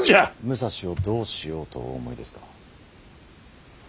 武蔵をどうしようとお思いですか。